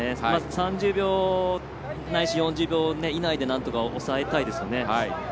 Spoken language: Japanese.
３０秒ないし４０秒以内でなんとか抑えたいですよね。